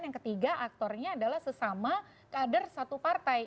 yang ketiga aktornya adalah sesama kader satu partai